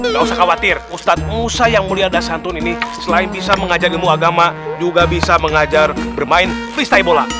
gak usah khawatir ustadz musa yang mulia dan santun ini selain bisa mengajak ilmu agama juga bisa mengajar bermain freesty bola